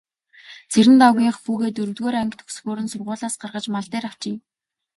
Цэрэндагвынх хүүгээ дөрөвдүгээр анги төгсөхөөр нь сургуулиас гаргаж мал дээр авчээ.